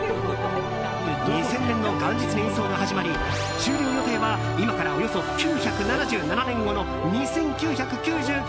２０００年の元日に演奏が始まり終了予定は、今からおよそ９７７年後の２９９９年。